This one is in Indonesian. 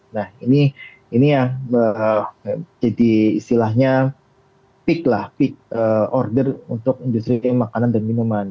nah ini yang jadi istilahnya peak lah peak order untuk industri makanan dan minuman